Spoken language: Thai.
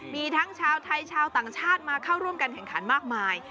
มีทั้งชาวไทยชาวต่างชาติมาเข้าร่วมการแข่งขันมากมาย